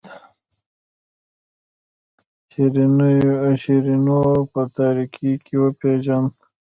شیرینو په تاریکۍ کې وپیژاند.